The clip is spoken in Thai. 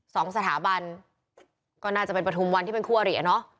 สองสถาบันก็น่าจะเป็นปฐุมวันที่เป็นคู่อริอ่ะเนอะ